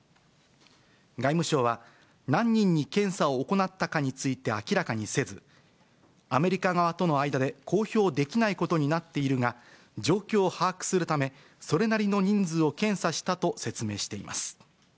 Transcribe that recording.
外務省は何人に検査を行ったかについて明らかにせず、アメリカ側との間で公表できないことになっているが、状況を把握するため、それなりの人数を検査したと説明しています。